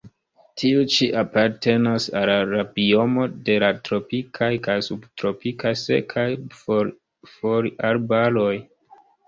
Tiu ĉi apartenas al la biomo de la tropikaj kaj subtropikaj sekaj foliarbaroj.